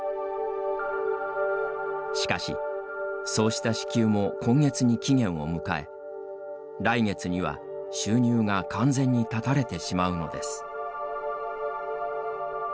しかし、そうした支給も今月に期限を迎え来月には収入が完全に断たれてしまうのです。